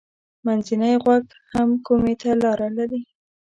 منځنی غوږ هم کومي ته لاره لري.